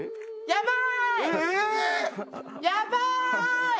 やばい！